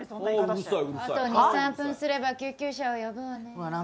あと２３分すれば救急車を呼ぶわね。